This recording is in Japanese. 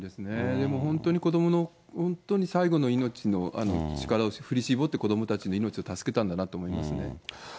でも本当に子どもの本当に最後の命の力を振り絞って、子どもたちの命を助けたんだなと思いますね。